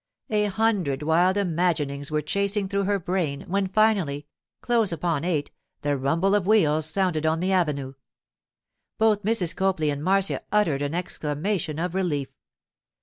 A hundred wild imaginings were chasing through her brain, when finally, close upon eight, the rumble of wheels sounded on the avenue. Both Mrs. Copley and Marcia uttered an exclamation of relief.